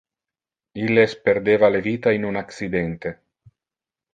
Illes perdeva le vita in un accidente.